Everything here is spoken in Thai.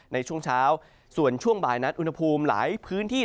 ในช่วงเช้าส่วนช่วงบ่ายนั้นอุณหภูมิหลายพื้นที่